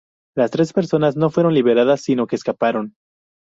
Las tres personas no fueron liberadas, sino que escaparon.